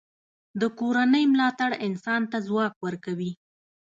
د کورنۍ ملاتړ انسان ته ځواک ورکوي.